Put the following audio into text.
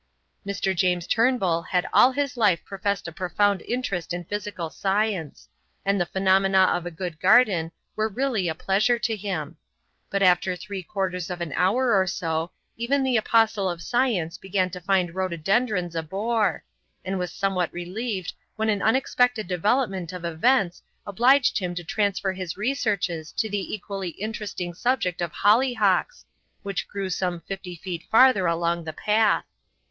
Mr. James Turnbull had all his life professed a profound interest in physical science, and the phenomena of a good garden were really a pleasure to him; but after three quarters of an hour or so even the apostle of science began to find rhododendrus a bore, and was somewhat relieved when an unexpected development of events obliged him to transfer his researches to the equally interesting subject of hollyhocks, which grew some fifty feet farther along the path.